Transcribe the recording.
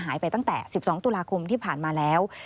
หายไปตั้งแต่๑๒ตุลาคมที่ผ่านมาแล้ว